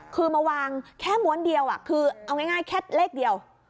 คือมาวางแค่ม้วนเดียวคือเอาง่ายแค่เลขเดียว